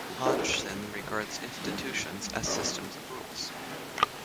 Hodgson regards institutions as systems of rules.